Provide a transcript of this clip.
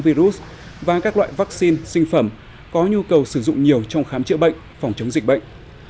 virus và các loại vaccine sinh phẩm có nhu cầu sử dụng nhiều trong khám chữa bệnh phòng chống dịch bệnh